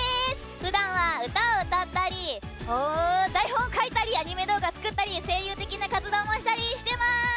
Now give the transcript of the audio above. ふだんは歌を歌ったり台本を書いたりアニメ動画を作ったり声優的な活動をしたりしています。